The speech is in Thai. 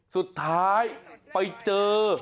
สุดท้ายไปเจอ